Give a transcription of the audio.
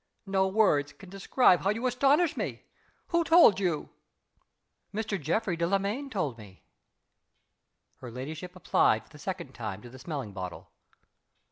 No words can describe how you astonish me. Who told you?" "Mr. Geoffrey Delamayn told me." Her ladyship applied for the second time to the smelling bottle.